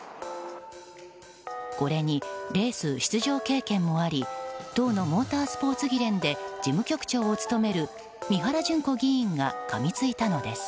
これに、レース出場経験もあり党のモータースポーツ議連で事務局長を務める三原じゅん子議員がかみついたのです。